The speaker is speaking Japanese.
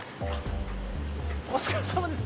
お疲れさまです。